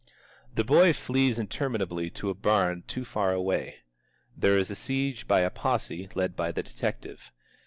The boy flees interminably to a barn too far away. There is a siege by a posse, led by the detective.